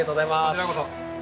こちらこそ。